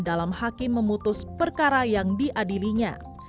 dalam hakim memutus perkara yang diadilinya